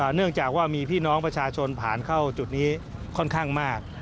เนื่องจากว่ามีพี่น้องประชาชนผ่านเข้าจุดนี้ค่อนข้างมาก